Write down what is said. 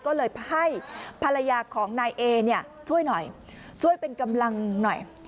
ก็เลยให้ภรรยาของนายเอเนี่ยช่วยหน่อยช่วยเป็นกำลังหน่อย